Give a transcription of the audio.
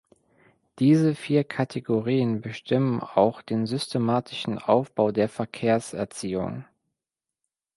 Diese vier Kategorien bestimmen auch den systematischen Aufbau der Verkehrserziehung.